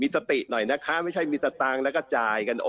สติหน่อยนะไม่ใช่มิชะตังค์ลองการจ่ายในการสนุก